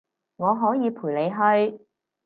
我可以陪你去